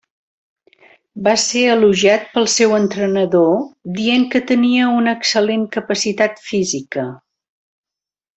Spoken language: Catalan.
Va ser elogiat pel seu entrenador dient que tenia una excel·lent capacitat física.